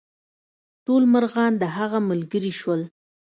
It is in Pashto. ټول مرغان د هغه ملګري شول.